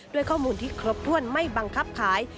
ข้อมูลที่ครบถ้วนไม่บังคับขาย